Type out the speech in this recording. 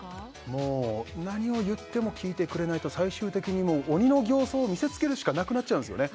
もう何を言っても聞いてくれないと最終的に鬼の形相を見せつけるしかなくなっちゃうんですよね